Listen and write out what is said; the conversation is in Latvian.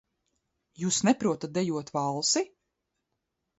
Jūs neprotat dejot valsi?